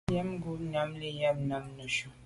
Yen ngub nyàm li lam neshu.